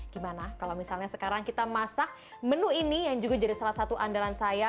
gimana kalau misalnya sekarang kita masak menu ini yang juga jadi salah satu andalan saya